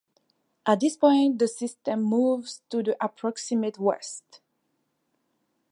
At this point the system moves to the approximate west.